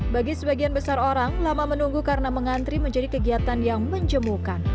bagi sebagian besar orang lama menunggu karena mengantri menjadi kegiatan yang menjemukan